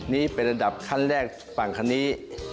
นี่เป็นระดับขั้นแรกฝั่งคันนี้